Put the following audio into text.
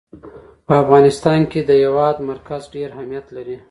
په افغانستان کې د هېواد مرکز ډېر اهمیت لري.